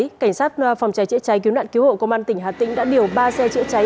cảnh sát phòng cháy chữa cháy cứu nạn cứu hộ công an tỉnh hà tĩnh đã điều ba xe chữa cháy